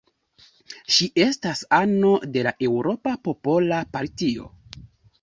Ŝi estas ano de la Eŭropa Popola Partio.